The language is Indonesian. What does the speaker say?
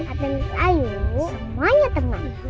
katanya saya semuanya teman